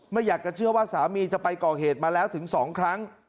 ไม่อยากจะเชื่อว่าสามีจะไปก่อเหตุมาแล้วถึง๒ครั้ง